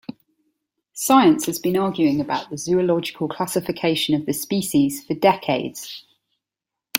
Science has been arguing about the zoological classification of the species for decades.